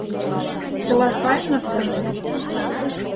Чыла сайын ыштыме?